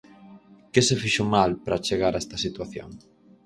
Que se fixo mal para chegar a esta situación?